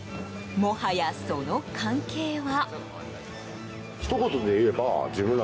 もはや、その関係は。